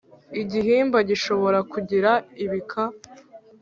Igihimba gishobora kugira ibika